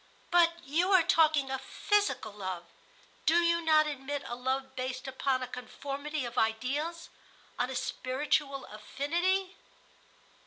"But you are talking of physical love. Do you not admit a love based upon a conformity of ideals, on a spiritual affinity?"